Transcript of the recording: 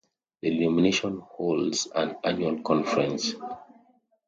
The denomination holds an annual conference.